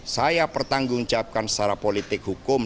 saya pertanggung jawabkan secara politik hukum